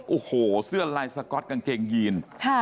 โอ้โหเสื้อลายสก๊อตกางเกงยีน